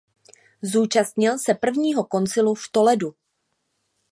Zúčastnil se Prvního koncilu v Toledu.